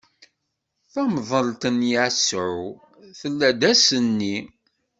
Tamḍelt n Yasuɛ tella-d ass-nni.